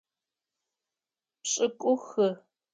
Пшӏыкӏухы.